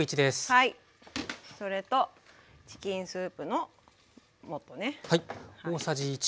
それとチキンスープの素ね。